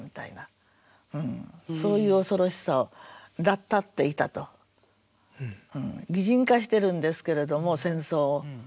そういう恐ろしさが「立つてゐた」と擬人化してるんですけれども戦争を。